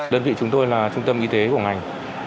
đơn vị chúng tôi là trung tâm y tế của ngành